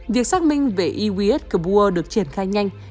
việc xác minh về i w s kabur được triển khai nhanh